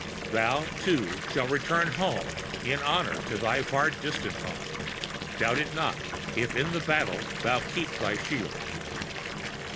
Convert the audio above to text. Thou, too, shalt return home, in honor to thy far distant home, doubt it not—if in the battle thou keep thy shield.